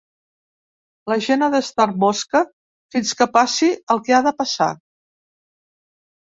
La gent ha d’estar mosca fins que passi el que ha de passar.